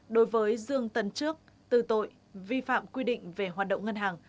đối với dương tấn trước tư tội vi phạm quy định về hoạt động ngân hàng